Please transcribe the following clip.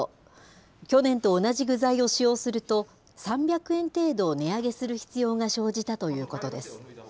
去年と同じ具材を使用すると、３００円程度値上げする必要が生じたということです。